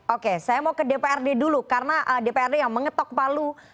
oke saya mau ke dprd dulu karena dprd yang mengetok palu